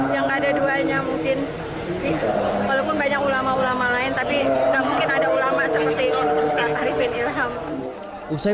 yang ada dua duanya mungkin walaupun banyak ulama ulama lain tapi gak mungkin ada ulama seperti ustaz khalifin ilham